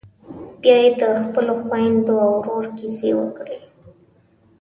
بيا یې د خپلو خويندو او ورور کيسې وکړې.